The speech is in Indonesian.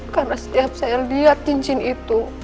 karena setiap saya lihat cincin itu